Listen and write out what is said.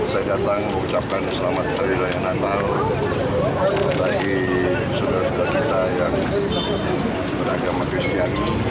saya datang mengucapkan selamat hari raya natal bagi saudara saudara kita yang beragama kristian